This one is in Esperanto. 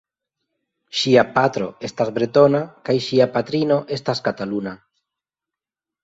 Ŝia patro estas bretona kaj ŝia patrino estas kataluna.